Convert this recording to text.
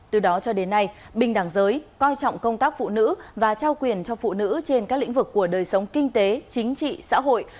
từ đó cho đến nay bình đẳng giới coi trọng công tác phụ nữ và trao quyền cho phụ nữ trên các lĩnh vực của đời sống kinh tế chính trị xã hội